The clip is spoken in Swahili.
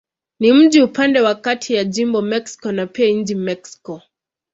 Ni mji upande wa kati ya jimbo Mexico na pia nchi Mexiko.